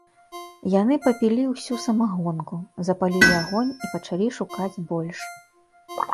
Яны папілі ўсю самагонку, запалілі агонь і пачалі шукаць больш.